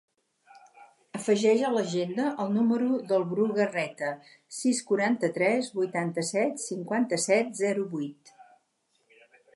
Afegeix a l'agenda el número del Bru Garreta: sis, quaranta-tres, vuitanta-set, cinquanta-set, zero, vuit.